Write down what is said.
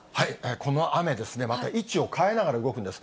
この雨ですね、また位置を変えながら動くんです。